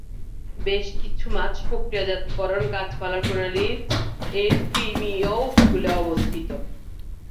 বেশ কিছু মাছ-প্রক্রিয়াজাতকরণ গাছপালা প্রণালীর এর ক্রিমীয় উপকূলে অবস্থিত।